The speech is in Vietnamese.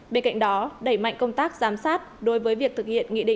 bên cạnh đó đẩy mạnh công tác giám sát đối với việc thực hiện